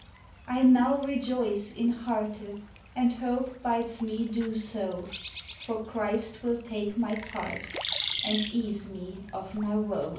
I now rejoice in harte, And hope bides me do so; For Christ wil take my part, And ease me of 1113' wo.